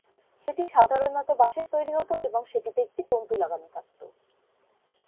সেটি সাধারণত বাঁশের তৈরি হত এবং সেটিতে একটি তন্তু লাগানো থাকত।